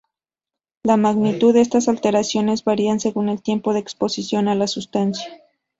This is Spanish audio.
La magnitud de estas alteraciones varía según el tiempo de exposición a la sustancia.